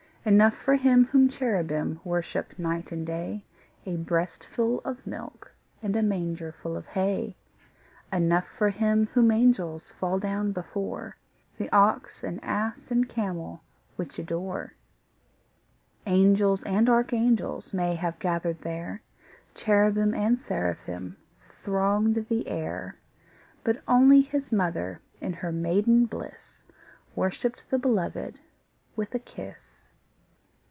Enough for Him whom cherubim Worship night and day, A breastful of milk And a mangerful of hay; Enough for Him whom angels Fall down before, The ox and ass and camel Which adore. Angels and archangels May have gathered there, Cherubim and seraphim Thronged the air; But only His mother, In her maiden bliss, Worshipped the Beloved With a kiss.